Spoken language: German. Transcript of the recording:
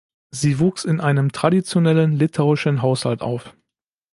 Sie wuchs in einem traditionellen litauischen Haushalt auf.